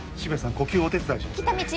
呼吸お手伝いしますね